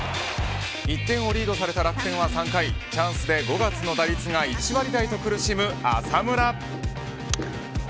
１点をリードされた楽天は３回チャンスで５月の打率が１割台と苦しむ浅村。